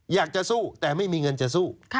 อยากจะสู้แต่ไม่มีเงินจะสู้